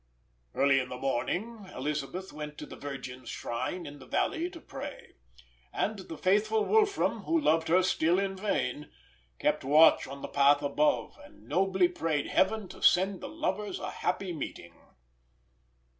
Early in the morning Elisabeth went to the Virgin's shrine in the valley to pray; and the faithful Wolfram, who loved her still in vain, kept watch on the path above, and nobly prayed Heaven to send the lovers a happy meeting.